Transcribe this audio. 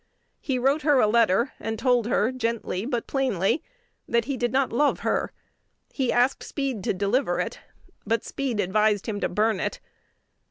He wrote her a letter, and told her gently but plainly that he did not love her. He asked Speed to deliver it; but Speed advised him to burn it.